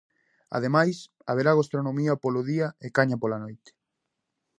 Ademais, haberá gastronomía polo día e caña pola noite.